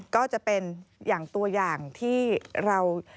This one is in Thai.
ก็จะเป็นอย่างตัวอย่างที่เรา